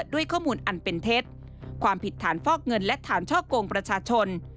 ด้วยข้อมูลอันเป็นเท็จความผิดฐานฟอกเงินและฐานช่อกงประชาชน